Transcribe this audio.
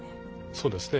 そうですね